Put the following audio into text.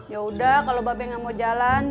yaudah kalau bapak benaim gak mau jalan